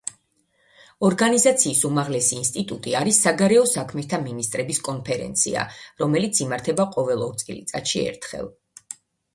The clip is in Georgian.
ორგანიზაციის უმაღლესი ინსტიტუტი არის საგარეო საქმეთა მინისტრების კონფერენცია, რომელიც იმართება ყოველ ორ წელიწადში ერთხელ.